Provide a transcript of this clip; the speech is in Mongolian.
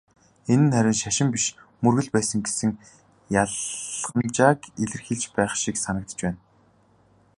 Энэ нь харин "шашин" биш "мөргөл" байсан гэсэн ялгамжааг илэрхийлж байх шиг санагдаж байна.